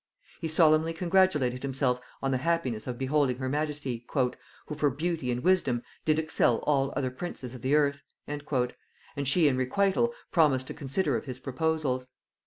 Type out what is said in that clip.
He solemnly congratulated himself on the happiness of beholding her majesty, "who for beauty and wisdom did excel all other princes of the earth;" and she, in requital, promised to consider of his proposals.